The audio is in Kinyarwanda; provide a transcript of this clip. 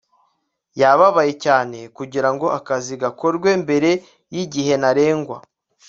yababaye cyane kugirango akazi gakorwe mbere yigihe ntarengwa